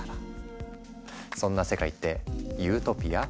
そんな世界ってユートピア？